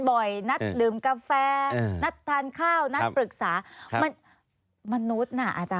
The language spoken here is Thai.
นัดดื่มกาแฟนัดทานข้าวนัดปรึกษามันมนุษย์น่ะอาจาร